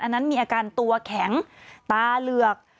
อันนั้นมีอาการตัวแข็งตาเหลือก